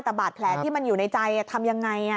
อัตบาทแพลนที่มันอยู่ในใจทำอย่างไร